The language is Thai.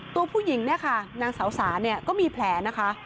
ตัวผู้หญิงนังสาวสานี่ก็มีแผลนะคะ